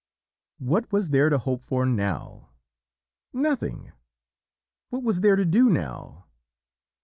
"What was there to hope for now? Nothing! What was there to do now?